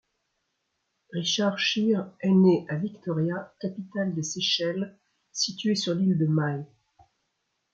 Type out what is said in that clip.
Richard Scheer est né à Victoria, capitale des Seychelles située sur l’île de Mahé.